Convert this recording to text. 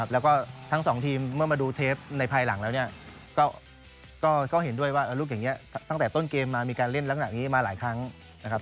แล้วก็ทั้งสองทีมเมื่อมาดูเทปในภายหลังแล้วเนี่ยก็เห็นด้วยว่าลูกอย่างนี้ตั้งแต่ต้นเกมมามีการเล่นลักษณะนี้มาหลายครั้งนะครับ